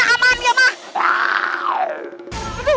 aduh lepaskan aku aman